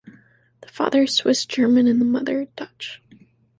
The father is Swiss-German and the mother, Dutch.